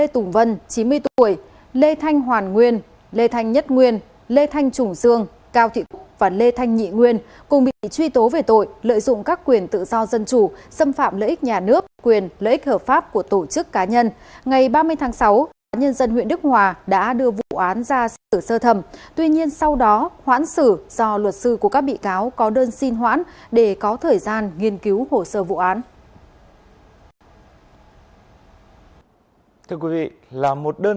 tòa nhân dân huyện đức hòa đã đưa vụ án ra xử sơ thẩm tuy nhiên sau đó hoãn xử do luật sư của các bị cáo có đơn xin hoãn để có thời gian nghiên cứu hồ sơ vụ án